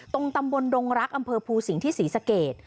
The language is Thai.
ตรงตำบลดงรักอำเภอภูสิงศ์ที่ศรีสเกต